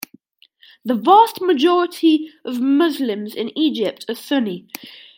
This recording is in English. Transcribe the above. The vast majority of Muslims in Egypt are Sunni.